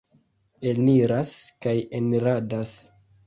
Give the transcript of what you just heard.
Eniras kaj eniradas.